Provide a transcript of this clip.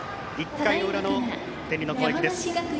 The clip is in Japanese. １回の裏、天理の攻撃です。